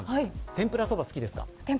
天ぷらそば好きですか。